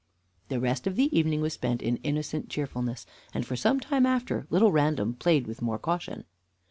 The rest of the evening was spent in innocent cheerfulness, and for some time after little Random played with more caution.